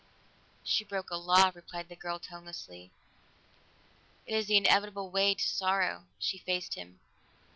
"She broke a law," replied the girl tonelessly. "It is the inevitable way to sorrow." She faced him.